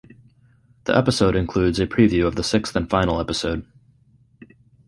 The episode includes a preview of the sixth and final episode.